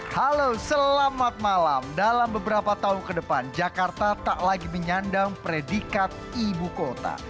halo selamat malam dalam beberapa tahun ke depan jakarta tak lagi menyandang predikat ibu kota